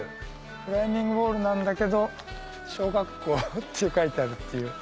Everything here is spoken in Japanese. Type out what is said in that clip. クライミングウォールなんだけど「小学校」って書いてあるっていう。